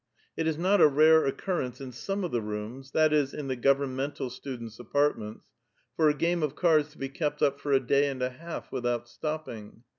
It is not a rare occurienee in some of the rooms — that is, in the govern mental students' apartments — for a game of cards to he ke|)t up for a day and a half without stopping.